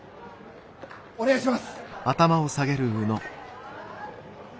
お願いします！